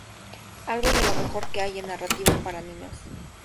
Algo de lo mejor que hay en narrativa para niños"